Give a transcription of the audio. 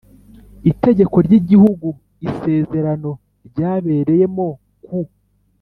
itegeko ry igihugu isezerano ryabereyemo ku